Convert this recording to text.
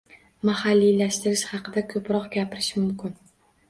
Mahalliylashtirish haqida ko‘proq gapirish mumkin.